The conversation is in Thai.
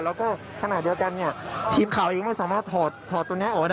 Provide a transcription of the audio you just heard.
แล้วก็ขณะเดียวกันเนี่ยทีมข่าวยังไม่สามารถถอดตัวนี้ออกมาได้